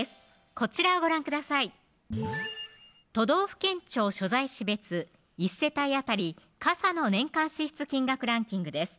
こちらをご覧ください都道府県庁所在市別１世帯あたり「傘」の年間支出金額ランキングです